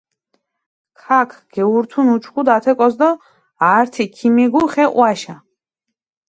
ქაქ გეურთუნ უჩქუდუ ათე კოს დო ართი ქიმიგუ ხე ჸვაშა.